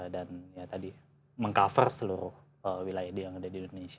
dan ya tadi meng cover seluruh wilayah di indonesia